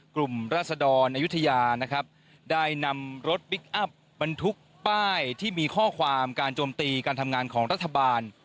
ราศดรอายุทยานะครับได้นำรถพลิกอัพบรรทุกป้ายที่มีข้อความการโจมตีการทำงานของรัฐบาล